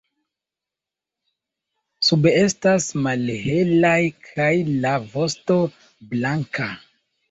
Sube estas malhelaj kaj la vosto blanka.